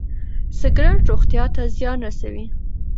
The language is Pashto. سګرټ روغتيا ته زيان رسوي.